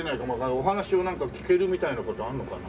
お話をなんか聞けるみたいな事あるのかな？